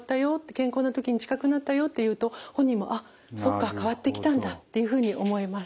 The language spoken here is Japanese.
健康な時に近くなったよ」って言うと本人も「あっそっか変わってきたんだ」っていうふうに思います。